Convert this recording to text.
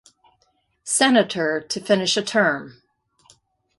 Senator to finish a term.